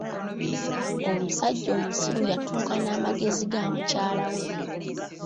Omusajja omusiru yatuuka n'amagezi ga mukyala we.